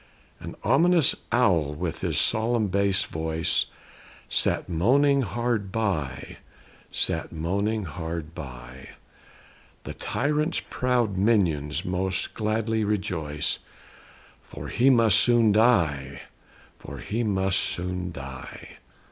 An ominous owl with his solemn bass voice, Sat moaning hard by; sat moaning hard by. "The tyrant's proud minions most gladly rejoice, For he must soon die; for he must soon die."